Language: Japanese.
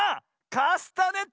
カスタネット！